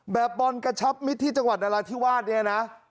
แบบบอลกระชับมิตรที่จังหวัดรัฐิวัตร